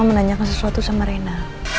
menanyakan sesuatu sama rena